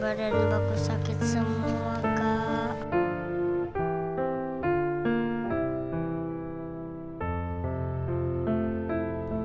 badan aku sakit semua kak